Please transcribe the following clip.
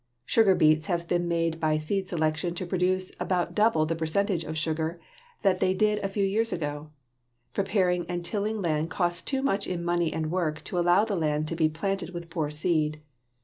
Sugar beets have been made by seed selection to produce about double the percentage of sugar that they did a few years ago. Preparing and tilling land costs too much in money and work to allow the land to be planted with poor seed.